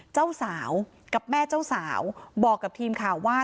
เจ้าสาวกับแม่เจ้าสาวบอกกับทีมข่าวว่า